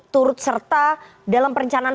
turut serta dalam perencanaan